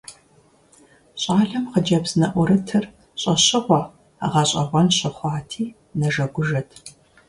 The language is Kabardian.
Щӏалэм хъыджэбз нэӀурытыр щӀэщыгъуэ, гъэщӀэгъуэн щыхъуати, нэжэгужэт.